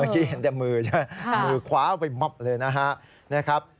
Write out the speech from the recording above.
เยี่ยมแต่มือใช่ไหมมือคว้าออกไปมบเลยนะครับ